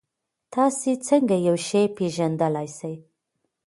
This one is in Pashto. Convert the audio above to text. تاسې څنګه یو شی پېژندلای سئ؟